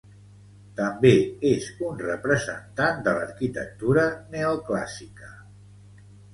També és un representant de l'arquitectura neoclàssica.